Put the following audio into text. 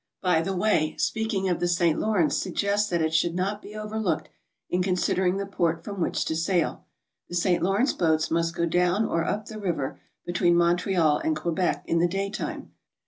By the way, speaking of the St. Lawrence suggests that • it should not be overlooked in considering the port from which to sail. The St. Lawrence boats must go down or up the river between Montreal and Quebec in the daytime.